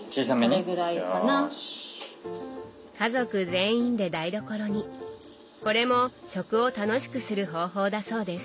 家族全員で台所にこれも「食」を楽しくする方法だそうです。